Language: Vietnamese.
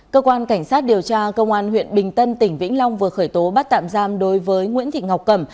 cơ quan cảnh sát điều tra công an huyện bình tân tỉnh vĩnh long vừa khởi tố bắt tạm giam đối với nguyễn thị ngọc cẩm